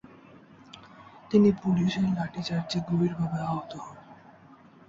তিনি পুলিশের লাঠিচার্জে গভীর ভাবে আহত হন।